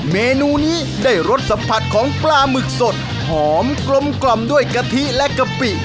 เมนูนี้ได้รสสัมผัสของปลาหมึกสดหอมกลมกล่อมด้วยกะทิและกะปิ